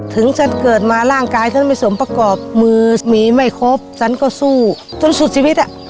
ฉันเกิดมาร่างกายฉันไม่สมประกอบมือมีไม่ครบฉันก็สู้จนสุดชีวิตอ่ะ